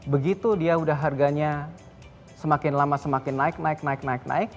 begitu dia udah harganya semakin lama semakin naik naik naik naik naik